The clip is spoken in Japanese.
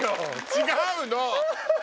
違うの！